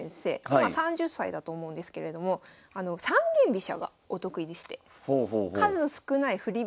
今３０歳だと思うんですけれども三間飛車がお得意でして数少ない振り